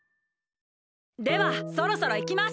ではそろそろいきます！